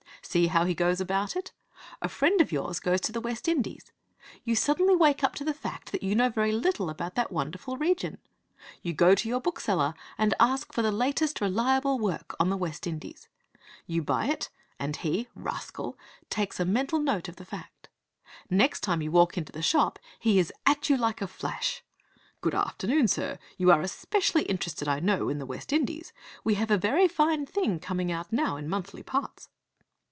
See how he goes about it. A friend of yours goes to the West Indies. You suddenly wake up to the fact that you know very little about that wonderful region. You go to your bookseller and ask for the latest reliable work on the West Indies. You buy it, and he, the rascal, takes a mental note of the fact. Next time you walk into the shop he is at you like a flash. 'Good afternoon, sir. You are specially interested, I know, in the West Indies. We have a very fine thing coming out now in monthly parts